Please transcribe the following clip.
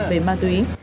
về ma túy